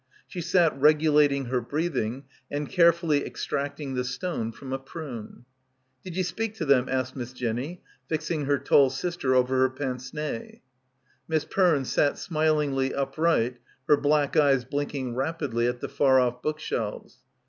She sat regulating her breathing and carefully extracting the stone from a prune. "Did ye speak to them?" asked Miss Jenny, fixing her tall sister over her prince nez. Miss Peme sat smilingly upright, her black eyes blinking rapidly at the far off bookshelves.